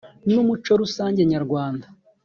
n umuco rusange nyarwanda